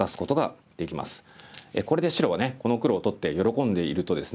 これで白はこの黒を取って喜んでいるとですね